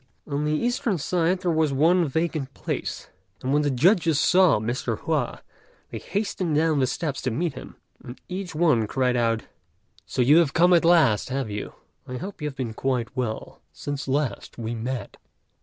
On the eastern side there was one vacant place; and when the judges saw Mr. Hua, they hastened down the steps to meet him, and each one cried out, "So you have come at last, have you? I hope you have been quite well since last we met."